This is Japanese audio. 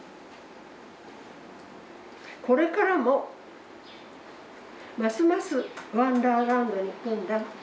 「これからもますますワンダーランドに行くんだ。